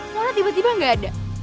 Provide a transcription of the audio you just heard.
mona tiba tiba gak ada